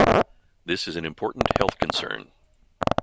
This is an important health concern.